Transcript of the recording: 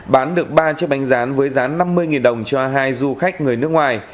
bán được ba chiếc bánh rán với rán năm mươi đồng cho hai du khách người nước ngoài